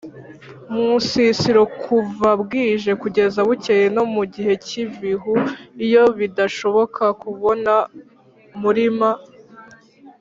munsisiro kuva bwije kugeza bukeye no mugihe cyibihu iyo bidashoboka kubona muri m